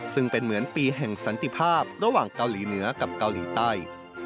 ซึ่งเป็นเหมือนปีแห่งสันติภาพระหว่างเกาหลีเหนือกับเกาหลีใต้